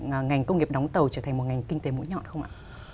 ngành công nghiệp đóng tàu trở thành một ngành kinh tế mũi nhọn không ạ